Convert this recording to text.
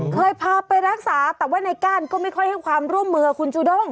เคยพาไปรักษาแต่ว่าในก้านก็ไม่ค่อยให้ความร่วมมือคุณจูด้ง